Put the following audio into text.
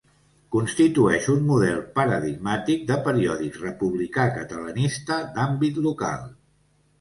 Constitueix un model paradigmàtic de periòdic republicà catalanista d'àmbit local.